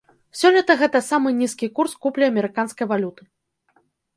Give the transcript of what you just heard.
Сёлета гэта самы нізкі курс куплі амерыканскай валюты.